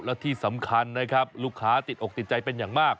และที่สำคัญนะครับลูกค้าติดอกติดใจเป็นอย่างมาก